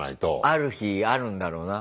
ある日あるんだろうな。